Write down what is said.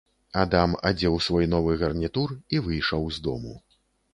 Адам адзеў свой новы гарнітур і выйшаў з дому.